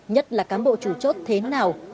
nhất là cán bộ chủ chốt thế nào